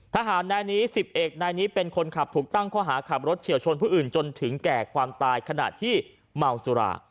ทหารนายนี้๑๐เอกนายนี้เป็นคนขับถูกตั้งข้อหาขับรถเฉียวชนผู้อื่นจนถึงแก่ความตายขณะที่เมาสุรา